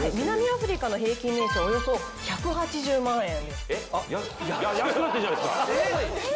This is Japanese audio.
南アフリカの平均年収はおよそ１８０万円です。